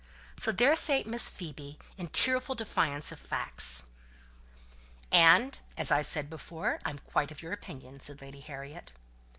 So there sate Miss Phoebe, in tearful defiance of facts. "And, as I said before, I'm quite of your opinion," said Lady Harriet.